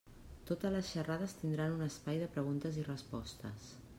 Totes les xerrades tindran un espai de preguntes i respostes.